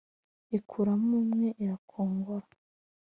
ikuramo umwe irakongora :